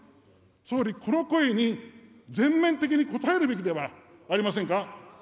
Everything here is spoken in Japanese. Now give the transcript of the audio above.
総理、この声に全面的に応えるべきではありませんか。